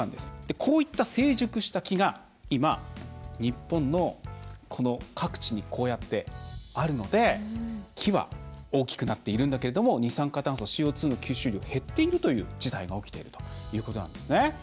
こういった成熟した木が今、日本の各地にあるので、木は大きくなっているんだけれども二酸化炭素＝ＣＯ２の吸収量は減っているという事態が起きているということなんですね。